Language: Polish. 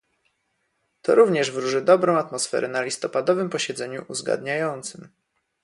To również wróży dobrą atmosferę na listopadowym posiedzeniu uzgadniającym